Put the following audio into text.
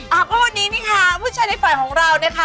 อะเพราะวันนี้ว่านี่ค่ะผู้ชายในฝ่ายของเรานะคะ